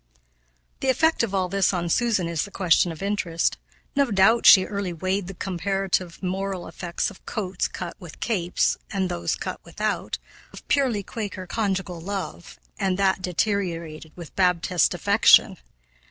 The effect of all this on Susan is the question of interest. No doubt she early weighed the comparative moral effects of coats cut with capes and those cut without, of purely Quaker conjugal love and that deteriorated with Baptist affection.